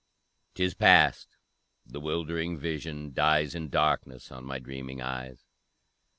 'Tis past, the 'wildering vision dies In darkness on my dreaming eyes!